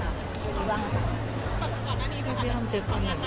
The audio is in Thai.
พี่เอ็มเค้าเป็นระบองโรงงานหรือเปลี่ยนไงครับ